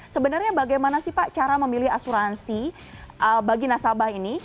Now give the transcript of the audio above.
sebenarnya bagaimana sih pak cara memilih asuransi bagi nasabah ini